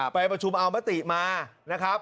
ไปประชุมเอามติมานะครับ